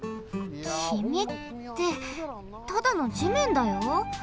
「きみ」ってただのじめんだよ？